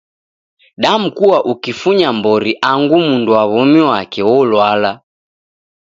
Damkua ukifunya mbori angu mundu wa womi wake wolwala.